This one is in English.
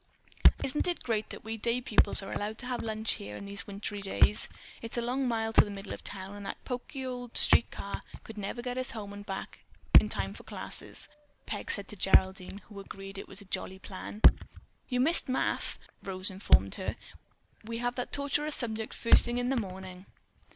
"Isn't it great that we day pupils are allowed to have lunch here these wintry days? It's a long mile to the middle of town and that poky old street car never could get us home and back in time for classes," Peg said to Geraldine, who agreed that it was a jolly plan. "You missed math," Rose informed her. "We have that torturous subject first thing in the morning."